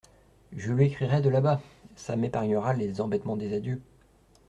Je lui écrirai de là-bas… ça m’épargnera les embêtements des adieux !…